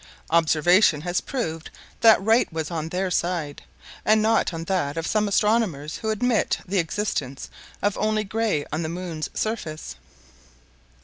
Observation has proved that right was on their side, and not on that of some astronomers who admit the existence of only gray on the moon's surface.